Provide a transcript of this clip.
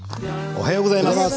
おはようございます。